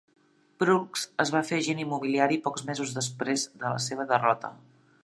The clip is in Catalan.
Proulx es va fer agent immobiliari pocs mesos després de la seva derrota.